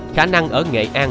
khả năng ở nghệ an